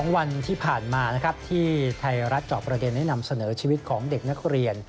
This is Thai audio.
วันที่ผ่านมานะครับที่ไทยรัฐจอบประเด็นได้นำเสนอชีวิตของเด็กนักเรียน